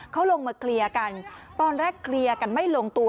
เขาลงมาเคลียร์กันตอนแรกเคลียร์กันไม่ลงตัว